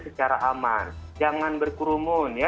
secara aman jangan berkurumun